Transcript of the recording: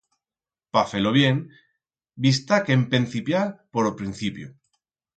Pa fer-lo bien bi'stá que empencipiar por o principio.